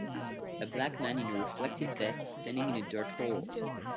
A black man in a reflective vest standing in a dirt hole